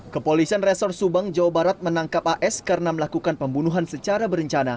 kepolisian resor subang jawa barat menangkap as karena melakukan pembunuhan secara berencana